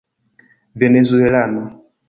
venezuelano